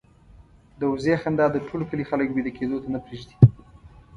د وزې خندا د ټول کلي خلک وېده کېدو ته نه پرېږدي.